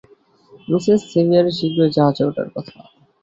Mrs সেভিয়ারের শীঘ্রই জাহাজে ওঠার কথা।